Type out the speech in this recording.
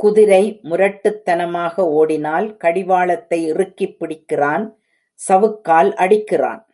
குதிரை முரட்டுத்தனமாக ஓடினால் கடிவாளத்தை இறுக்கிப் பிடிக்கிறான் சவுக்கால் அடிக்கிறான்.